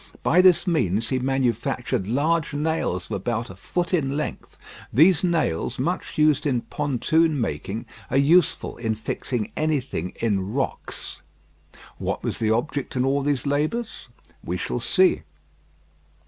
By this means he manufactured large nails of about a foot in length. These nails, much used in pontoon making, are useful in fixing anything in rocks. What was his object in all these labours? We shall see.